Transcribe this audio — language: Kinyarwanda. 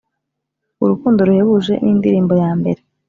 Urukundo ruhebuje, n'indirimbo ya mbere.